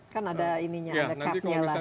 kan ada ini nya ada capnya lah di atas berapa